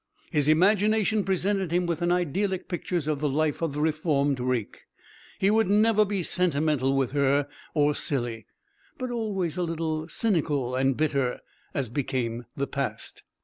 His imagination presented him with idyllic pictures of the life of the reformed rake. He would never be sentimental with her, or silly; but always a little cynical and bitter, as became the past.